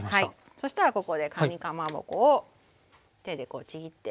そしたらここでかにかまぼこを手でこうちぎって入れますね。